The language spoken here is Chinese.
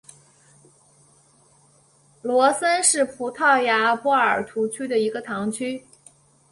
罗森是葡萄牙波尔图区的一个堂区。